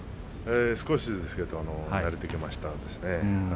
少しですけど慣れてきましたですね。